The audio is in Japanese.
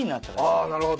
あなるほど！